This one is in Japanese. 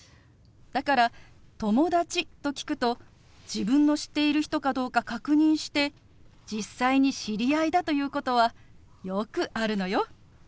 だから友達と聞くと自分の知っている人かどうか確認して実際に知り合いだということはよくあるのよ。